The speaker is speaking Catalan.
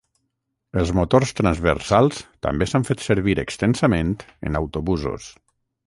Els motors transversals també s'han fet servir extensament en autobusos.